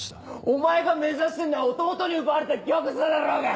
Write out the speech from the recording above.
お前が目指してんのは弟に奪われた玉座だろうが！